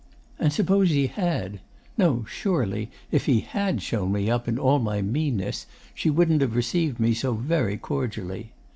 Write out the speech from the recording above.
And suppose he had no, surely if he HAD shown me up in all my meanness she wouldn't have received me so very cordially.